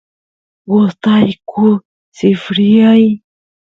gustayku sifryay